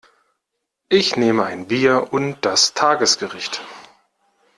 Ich nehme ein Bier und das Tagesgericht.